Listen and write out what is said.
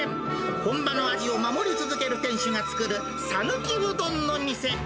本場の味を守り続ける店主が作る、さぬきうどんの店。